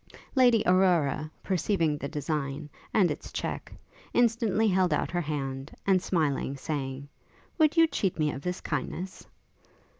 Lady Aurora, perceiving the design, and its check, instantly held out her hand, and smilingly saying, 'Would you cheat me of this kindness?'